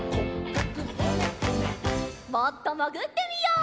もっともぐってみよう。